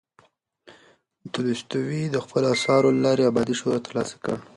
تولستوی د خپلو اثارو له لارې ابدي شهرت ترلاسه کړ.